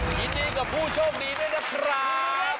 ยินดีกับผู้โชคดีด้วยนะครับ